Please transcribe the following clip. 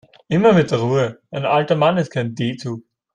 Immer mit der Ruhe, ein alter Mann ist kein D-Zug.